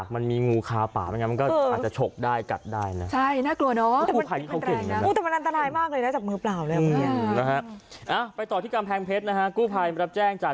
มันมีงูคาปามันก็อาจจะชกได้ตัวชวงได้